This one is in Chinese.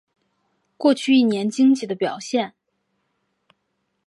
过去一年经济的表现